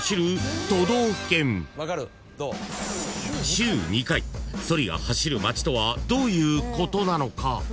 ［週２回ソリが走る街とはどういうことなのか］